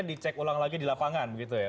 di cek ulang lagi di lapangan gitu ya